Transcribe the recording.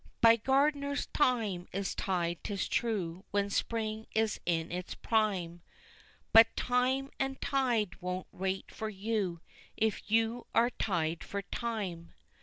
By gardeners thyme is tied, 'tis true, when spring is in its prime; But time and tide won't wait for you if you are tied for time.